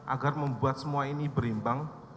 agar membuat semua ini berimbang